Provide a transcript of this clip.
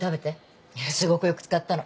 すごくよく漬かったの。